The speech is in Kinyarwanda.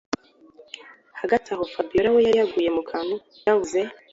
Hagati aho Fabiora we yari yaguye mukantu yabuze